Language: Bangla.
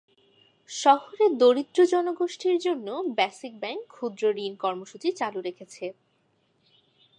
শহুরে দরিদ্র জনগোষ্ঠীর জন্য বেসিক ব্যাংক ক্ষুদ্রঋণ কর্মসূচি চালু রেখেছে।